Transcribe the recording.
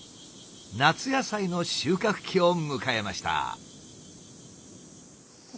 夏野菜の収穫期を迎えました。